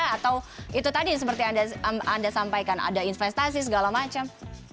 atau itu tadi seperti anda sampaikan ada investasi segala macam